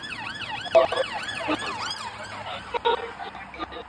Kuna kazi nyingi zaidi ya kile walichofikiria alisema Basile van Havre